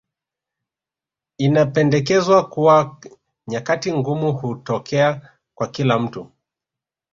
Inapendekezwa kuwa nyakati ngumu hutokea kwa kila mtu